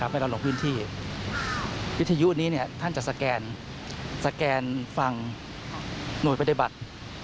ให้เราลงพื้นที่วิทยุนี้ท่านจะสแกนฟังหน่วยปฏิบัติ